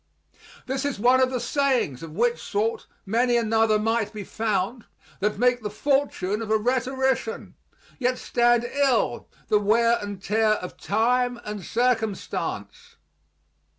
This is one of the sayings of which sort many another might be found that make the fortune of a rhetorician, yet stand ill the wear and tear of time and circumstance.